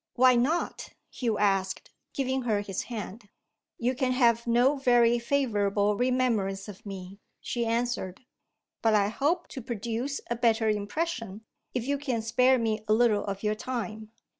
"Why not?" Hugh asked, giving her his hand. "You can have no very favourable remembrance of me," she answered. "But I hope to produce a better impression if you can spare me a little of your time.